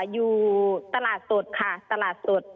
อยู่ตลาดสดค่ะตลาดสด